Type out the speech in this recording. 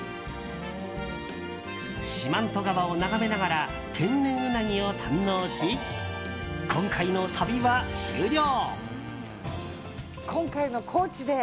四万十川を眺めながら天然ウナギを堪能し今回の旅は終了。